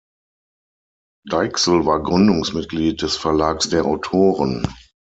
Deichsel war Gründungsmitglied des Verlags der Autoren.